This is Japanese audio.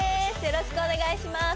よろしくお願いします